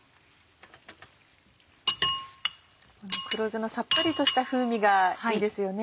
黒酢のさっぱりとした風味がいいですよね。